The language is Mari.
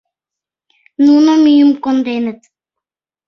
Нуно мӱйым конденыт.